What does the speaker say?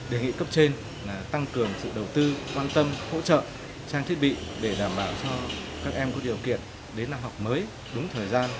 đề nghị cấp trên tăng cường sự đầu tư quan tâm hỗ trợ trang thiết bị để đảm bảo cho các em có điều kiện đến năm học mới đúng thời gian